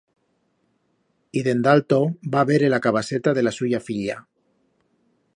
Y dende alto va vere la cabaceta de la suya filla.